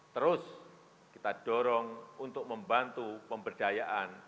terus kita dorong untuk membantu pemberdayaan